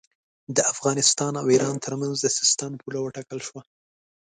د افغانستان او ایران ترمنځ د سیستان پوله وټاکل شوه.